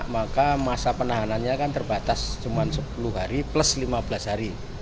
maka masa penahanannya kan terbatas cuma sepuluh hari plus lima belas hari